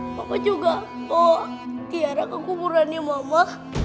papa juga bohong tiara ke kuburannya mama